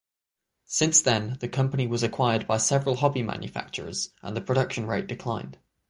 Since then the company was acquired by several hobby manufacturers and production rate declined.